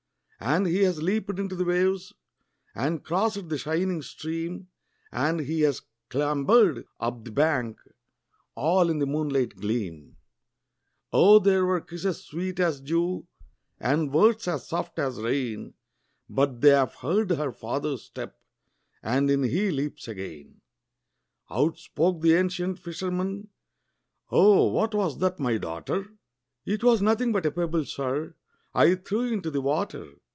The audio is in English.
And he has leaped into the waves, and crossed the shining stream, And he has clambered up the bank, all in the moonlight gleam; Oh there were kisses sweet as dew, and words as soft as rain, But they have heard her father's step, and in he leaps again! Out spoke the ancient fisherman, "Oh, what was that, my daughter?" "'T was nothing but a pebble, sir, I threw into the water."